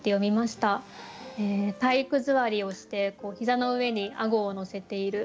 体育座りをして膝の上に顎をのせている。